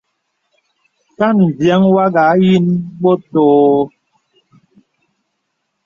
Kan mvìəŋ wàghà ayìnə bɔ̄t ōō.